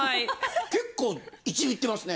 結構いちびってますね。